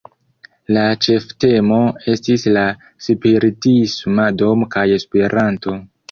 La ĉeftemo estis "La Spiritisma Domo kaj Esperanto".